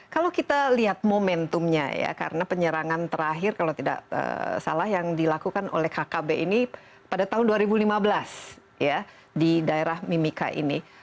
kalau kita lihat momentumnya karena penyerangan terakhir yang dilakukan oleh hkb ini pada tahun dua ribu lima belas di daerah mimika ini